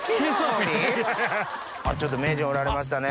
ちょっと名人おられましたね。